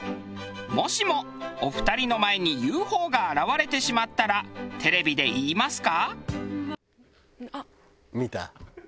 もしもお二人の前にＵＦＯが現れてしまったらテレビで言いますか？